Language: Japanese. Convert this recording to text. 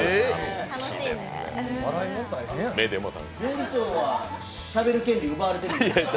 料理長はしゃべる権利奪われてるんですか？